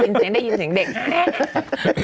ได้ยินเสียงเด็ก